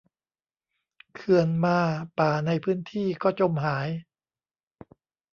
เขื่อนมาป่าในพื้นที่ก็จมหาย